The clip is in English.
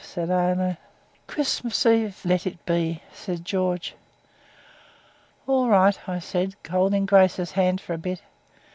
said Aileen. 'Christmas Eve let it be,' says George. 'All right,' I said, holding Grace's hand for a bit.